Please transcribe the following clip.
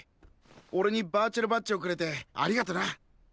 おれにバーチャルバッジをくれてありがとなノルウィン。